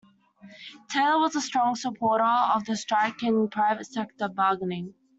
Taylor was a strong supporter of the strike in private sector bargaining.